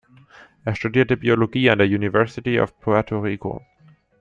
Er studierte Biologie an der University of Puerto Rico.